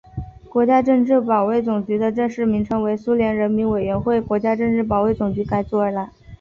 国家政治保卫总局的正式名称为苏联人民委员会国家政治保卫总局改组而来。